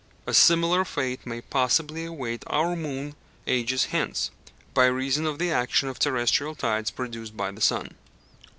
A similar fate may possibly await our moon ages hence by reason of the action of terrestrial tides produced by the sun.